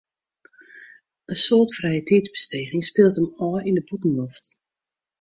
In soad frijetiidsbesteging spilet him ôf yn de bûtenloft.